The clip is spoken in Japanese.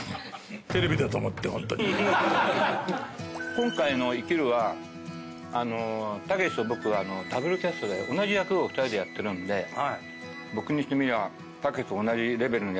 今回の『生きる』は丈史と僕がダブルキャストで同じ役を２人でやってるんで僕にしてみりゃ。